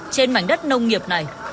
trên mảnh đất nông nghiệp này